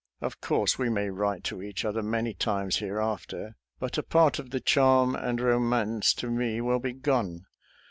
Of course we may write to each other many times here after, but a part of the charm and romance to me will be gone.